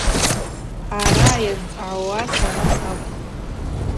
Араъа йазцӏгӏауа сара сакӏвпӏ.